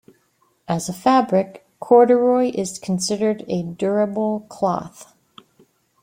As a fabric, corduroy is considered a durable cloth.